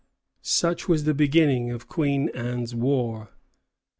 Such was the beginning of Queen Anne's War.